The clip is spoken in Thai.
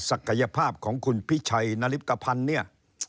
ศักยภาพของคุณพี่ชัยนาริปกะพันธุ์เนี่ย